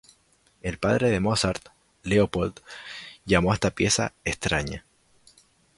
El padre de Mozart, Leopold, llamó a esta pieza "extraña".